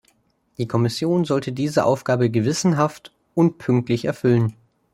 Die Kommission sollte diese Aufgabe gewissenhaft und pünktlich erfüllen.